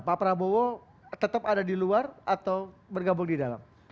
pak prabowo tetap ada di luar atau bergabung di dalam